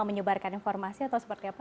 menyebarkan informasi atau seperti apa